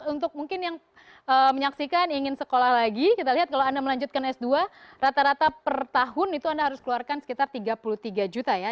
untuk mungkin yang menyaksikan ingin sekolah lagi kita lihat kalau anda melanjutkan s dua rata rata per tahun itu anda harus keluarkan sekitar tiga puluh tiga juta ya